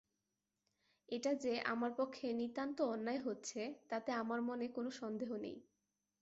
এটা যে আমার পক্ষে নিতান্ত অন্যায় হচ্ছে তাতে আমার মনে কোনো সন্দেহ নেই।